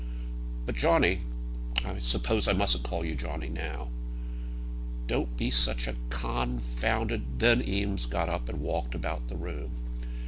But, Johnny I suppose I mustn't call you Johnny, now." "Don't be such a con founded " Then Eames got up, and walked about the room.